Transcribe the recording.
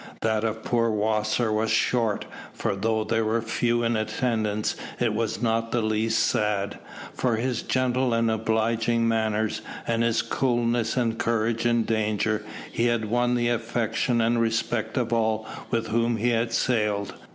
That of poor Wasser was short, for though there were few in attendance it was not the less sad; for by his gentle and obliging manners, and his coolness and courage in danger, he had won the affection and respect of all with whom he had sailed.